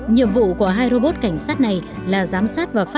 nhiệm vụ của hai robot cảnh sát này là giám sát và khám phá